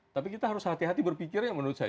tapi kita harus hati hati berpikirnya menurut saya